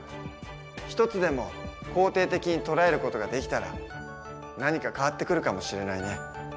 一つでも肯定的に捉える事ができたら何か変わってくるかもしれないね。